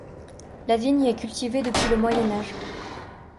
La vigne y est cultivée depuis le Moyen Âge.